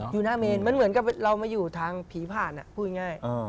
อยู่หน้าเมนมันเหมือนกับเรามาอยู่ทางผีผ่านพูดง่าย